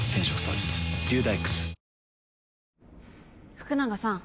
福永さん。